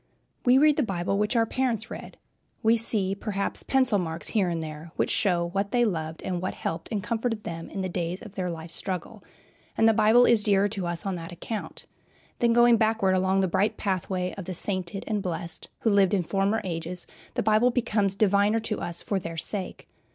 We read the Bible which our parents read. We see, perhaps, pencil marks here and there, which show what they loved and what helped and comforted them in the days of their life struggle, and the Bible is dearer to us on that account. Then, going backward along the bright pathway of the sainted and blessed who lived in former ages, the Bible becomes diviner to us for their sake.